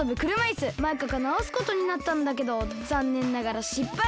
マイカがなおすことになったんだけどざんねんながらしっぱい。